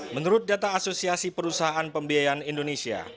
menurut data asosiasi perusahaan pembiayaan indonesia